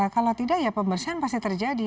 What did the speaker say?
kalau tidak ya pembersihan pasti terjadi